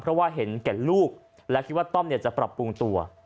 เพราะว่าเห็นแก่ลูกและคิดว่าต้อมจะปรับปรุงตัว